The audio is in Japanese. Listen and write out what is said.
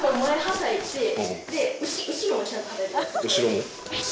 後ろも？